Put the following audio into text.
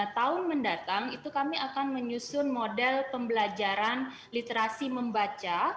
tahun mendatang itu kami akan menyusun model pembelajaran literasi membaca